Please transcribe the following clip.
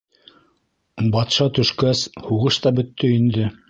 — Батша төшкәс, һуғыш та бөттө инде.